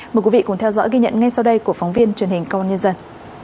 mời quý vị cùng theo dõi ghi nhận ngay sau đây của phóng viên truyền hình công an nhân dân